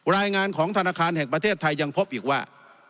รายงานของธนาคารแห่งประเทศไทยยังพบอีกว่า